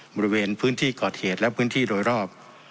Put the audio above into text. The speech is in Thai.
บริเวณพื้นที่ก่อเหตุและพื้นที่โดยรอบ